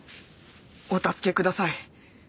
お助けください